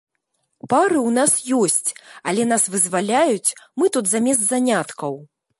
Пары ў нас ёсць, але нас вызваляюць, мы тут замест заняткаў.